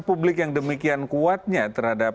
publik yang demikian kuatnya terhadap